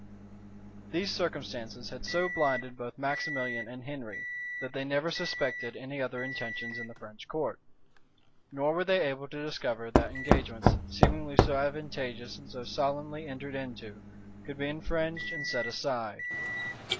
These circumstances had so blinded both Maximilian and Henry, that they never suspected any other intentions in the French court; nor were they able to discover that engagements, seemingly so advantageous and so solemnly entered into, could be infringed and set aside.